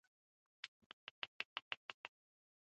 ازادي راډیو د د کار بازار په اړه د حکومتي ستراتیژۍ ارزونه کړې.